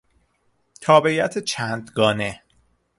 تابعیت چند گانه